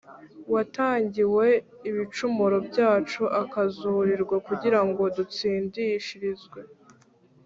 Watangiwe ibicumuro byacu, akazurirwa kugira ngo dutsindishirizwe.